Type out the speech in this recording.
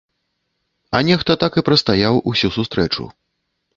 А нехта так і прастаяў усю сустрэчу.